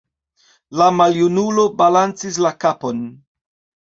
La maljunulo balancis la kapon.